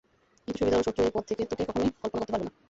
কিন্তু সুবিধা হলো শত্রু এই পথ থেকে তোকে কখনই কল্বনা করবে না।